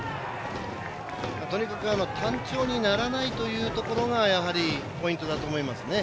単調にならないというところがポイントだと思いますね。